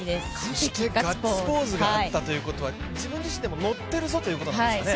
そしてガッツポーズがあったということは自分自身でもノッてるぞということなんですかね。